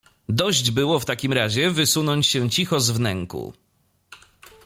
Dość było w takim razie wysunąć się cicho z wnęku.